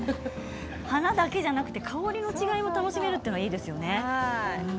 花だけじゃなくて香りの違いも楽しめるっていいですよね。